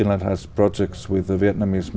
anh rất thích kinh nghiệm